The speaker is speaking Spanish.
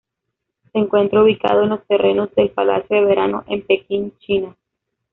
Se encuentra ubicado en los terrenos del Palacio de Verano en Pekín, China.